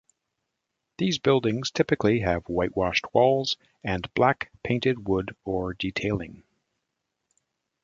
These buildings typically have whitewashed walls, and black painted wood or detailing.